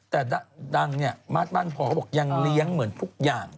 แต่ดังเนี่ยมาสบ้านพอเขาบอกยังเลี้ยงเหมือนทุกอย่าง